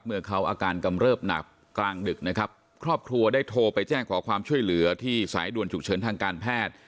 เมื่อเขาอาการกำเริบหนักกลางดึกนะครับครอบครัวได้โทรไปแจ้งขอความช่วยเหลือที่สายด่วนฉุกเฉินทางการแพทย์